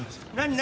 何？